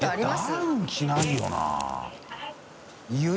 いダウン着ないよな。